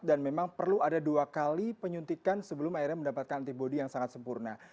dan memang perlu ada dua kali penyuntikan sebelum akhirnya mendapatkan antibody yang sangat sempurna